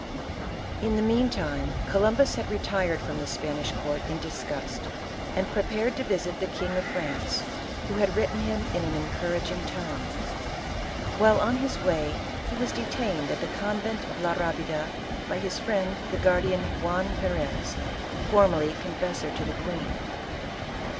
In the meantime, Columbus had retired from the Spanish court in disgust, and prepared to visit the King of France, who had written him in an encourag ing tone. While on his way he was detaine^ at the convent of La Rabida, by his friend the guardian, Juan Perez, formerly confessor to the queen.